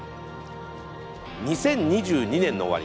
２０２２年の終わり